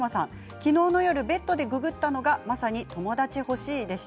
昨日の夜、ベッドでググったのがまさに友達欲しいでした。